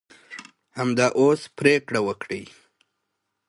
همدا اوس پرېکړه وکړئ.